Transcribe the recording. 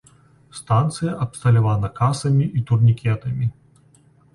Станцыя абсталявана касамі і турнікетамі.